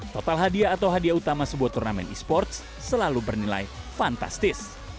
total hadiah atau hadiah utama sebuah turnamen e sports selalu bernilai fantastis